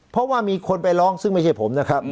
เพราะว่ามีคนไปร้องซึ่งไม่ใช่ผมนะครับ